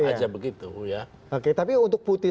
aja begitu ya oke tapi untuk putih